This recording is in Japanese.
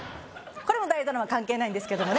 これも大映ドラマ関係ないんですけどもね